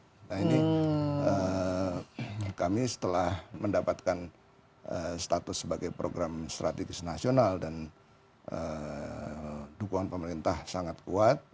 nah ini kami setelah mendapatkan status sebagai program strategis nasional dan dukungan pemerintah sangat kuat